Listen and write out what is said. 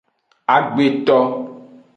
Agbeto.